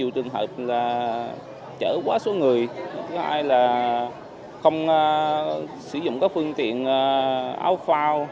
trường hợp là chở quá số người thứ hai là không sử dụng các phương tiện áo phao